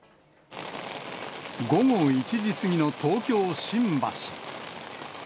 午後１時過ぎの東京・新橋。